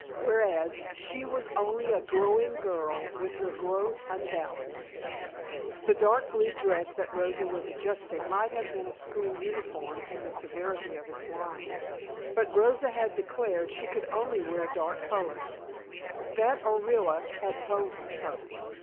Whereas, she was only a growing girl with her growth unbalanced. The dark blue dress that Rosa was adjusting might have been a school uniform in the severity of its lines; but Rosa had declared she could only wear dark colors; that Orilla had told her so.